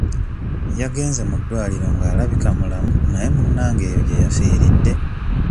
Yagenze mu ddwaliro nga alabika mulamu naye munnange eyo gye yafiiridde.